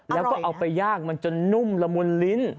แล้วก็เอาไปย่างมันจนนุ่มละมุนลิ้น